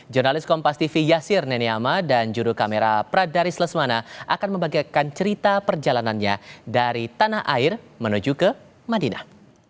jurnalis kompas tv yasir neneama dan juru kamera pradaris lesmana akan membagikan cerita perjalanannya dari tanah air menuju ke madinah